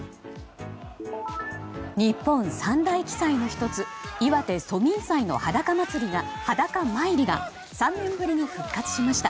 日本三大奇祭の１つ岩手・蘇民祭の裸参りが３年ぶりに復活しました。